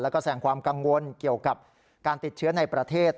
แล้วก็แสงความกังวลเกี่ยวกับการติดเชื้อในประเทศ